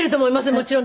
もちろん。